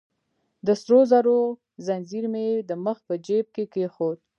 د سرو زرو ځنځیر مې يې د مخ په جیب کې کېښود.